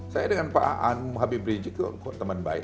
saya dengan pak habib rizik itu teman baik